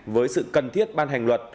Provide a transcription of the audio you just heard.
với sự cần thiết ban hành luật